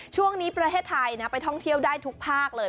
ช่วงนี้ประเทศไทยไปท่องเที่ยวได้ทุกภาคเลย